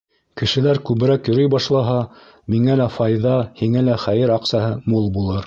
Кешеләр күберәк йөрөй башлаһа, миңә лә файҙа, һиңә лә хәйер аҡсаһы мул булыр.